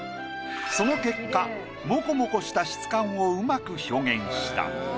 その結果モコモコした質感をうまく表現した。